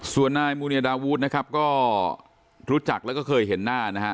ส่วนนายมูเนียดาวุฒินะครับก็รู้จักแล้วก็เคยเห็นหน้านะฮะ